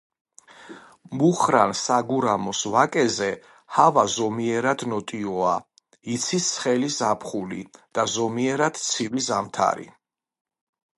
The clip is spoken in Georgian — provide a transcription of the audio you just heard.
მუხრან-საგურამოს ვაკეზე ჰავა ზომიერად ნოტიოა, იცის ცხელი ზაფხული და ზომიერად ცივი ზამთარი.